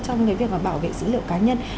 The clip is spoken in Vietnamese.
trong việc bảo vệ dữ liệu cá nhân